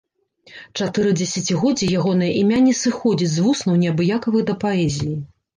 Чатыры дзесяцігоддзі ягонае імя не сыходзіць з вуснаў неабыякавых да паэзіі.